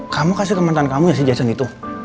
kamu kasih ke mantan kamu ya si jason itu